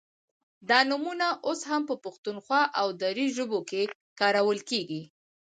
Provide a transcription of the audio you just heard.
دا نومونه اوس هم په پښتو او دري ژبو کې کارول کیږي